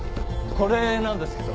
これなんですけど。